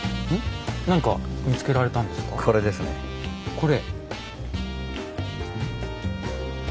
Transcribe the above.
これ？